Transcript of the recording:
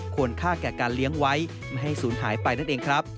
ควรค่าแก่การเลี้ยงไว้ไม่ให้ศูนย์หายไปนั่นเองครับ